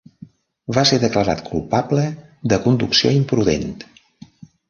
Va ser declarat culpable de conducció imprudent.